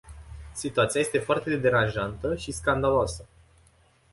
Situația este foarte deranjantă și scandaloasă.